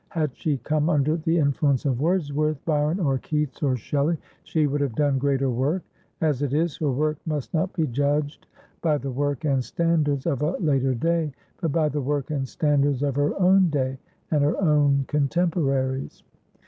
Had she come under the influence of Wordsworth, Byron or Keats or Shelley, she would have done greater work. As it is, her work must not be judged by the work and standards of a later day, but by the work and standards of her own day and her own contemporaries.